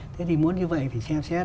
thế thì muốn như vậy thì xem xét